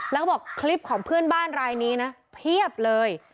แล้วก็บอกคลิปของเพื่อนบ้านรายนี้นะเพียบเลย